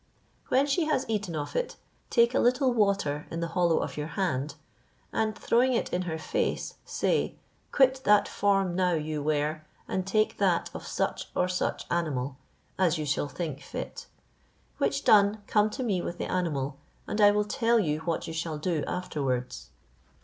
When she has eaten of it, take a little water in the hollow of your hand, and throwing it in her face, say, "Quit that form you now wear, and take that of such or such animal," as you shall think fit; which done, come to me with the animal, and I will tell you what you shall do afterwards."